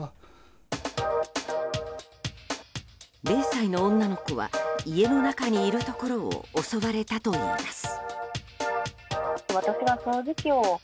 ０歳の女の子は家の中にいるところを襲われたといいます。